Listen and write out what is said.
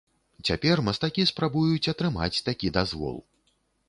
Цяпер мастакі спрабуюць атрымаць такі дазвол.